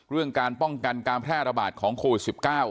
เรื่องการป้องกันการแพร่ระบาดของโควิด๑๙